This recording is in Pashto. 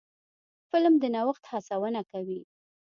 فلم د نوښت هڅونه کوي